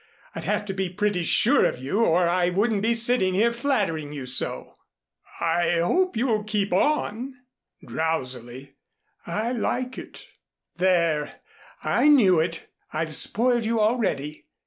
"I'd have to be pretty sure of you, or I wouldn't be sitting here flattering you so." "I hope you'll keep on," drowsily. "I like it." "There! I knew it. I've spoiled you already.